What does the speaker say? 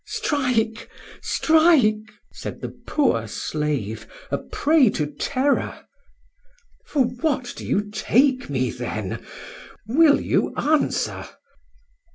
"Strike, strike!..." said the poor slave, a prey to terror. "For what do you take me, then?... Will you answer?"